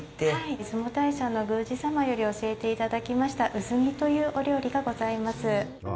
出雲大社の宮司さまより教えていただきましたうず煮というお料理がございます。